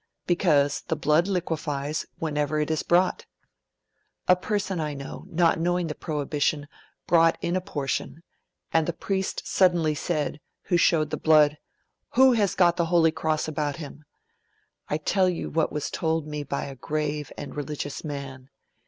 Because the blood liquefies, whenever it is brought. A person I know, not knowing the prohibition, brought in a portion, and the Priest suddenly said, who showed the blood, "Who has got the Holy Cross about him?" I tell you what was told me by a grave and religious man.